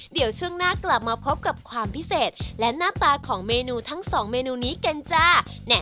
เดี๋ยวช่วงหน้ากลับมาพบกับความพิเศษและหน้าตาของเมนูทั้งสองเมนูนี้กันจ้า